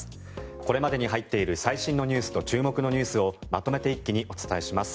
これまでに入っている最新ニュースと注目ニュースをまとめて一気にお伝えします。